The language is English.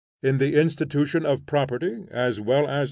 in the institution of property, as well as out of it?